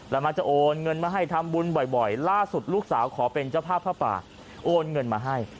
แล้วมักจะโอนเงินมาให้ทำบุญบ่อยล่าสุดลูกสาวขอเป็นเจ้าภาพผ้าป่าโอนเงินมาให้